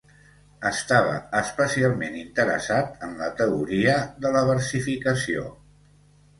Estava especialment interessat en la teoria de la versificació.